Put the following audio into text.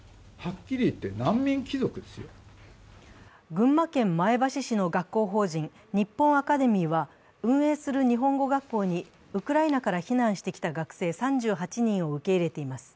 群馬県前橋市の学校法人ＮＩＰＰＯＮＡＣＡＤＥＭＹは運営する日本語学校にウクライナから避難してきた学生３８人を受け入れています。